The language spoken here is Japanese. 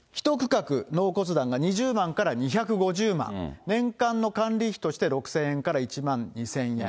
１区画納骨壇が２０万から２５０万、年間の管理費として６０００円から１万２０００円。